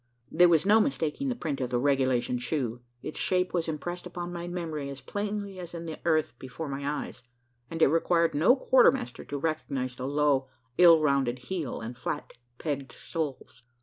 There was no mistaking the print of the "regulation" shoe. Its shape was impressed upon my memory as plainly as in the earth before my eyes; and it required no quartermaster to recognise the low, ill rounded heel and flat pegged soles.